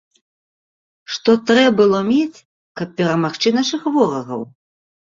Што трэ было мець, каб перамагчы нашых ворагаў?